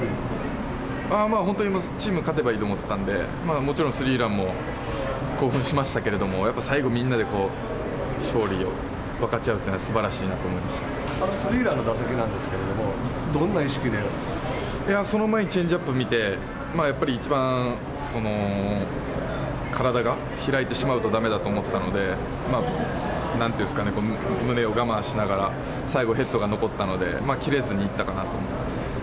本当にチームが勝てばいいと思ってたんで、もちろんスリーランも興奮しましたけれども、やっぱ最後にみんなで勝利を分かち合うっていうのはすばらしいなと思あのスリーランの打席なんでその前にチェンジアップ見て、やっぱり一番体が開いてしまうとだめだと思ったので、なんていうんですかね、胸を我慢しながら最後ヘッドが残ったので、切れずにいったかなと思います。